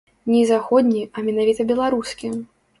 Ні заходні, а менавіта беларускі.